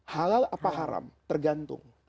halal apa haram tergantung